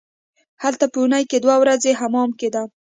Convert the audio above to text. هلته په اونۍ کې دوه ورځې حمام کیده.